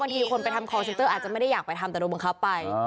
บางทีที่ไปทำโคลเซนเตอร์อาจจะไม่ได้อยากไปทำแต่ดูบนเขาไป